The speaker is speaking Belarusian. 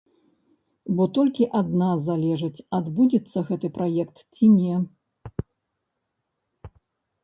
Бо толькі ад нас залежыць, адбудзецца гэты праект ці не.